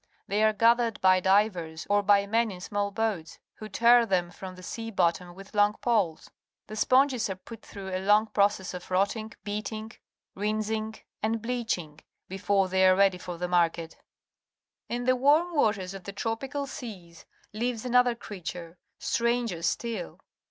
They are gathered by divers, or by men in small boats, who tear them from the sea bottom with long poles. The sponges are put through a long process of rotting, beating, rinsing, and bleaching, before they are ready for the market. In the warm waters of the tropical seas lives another creature, stranger still.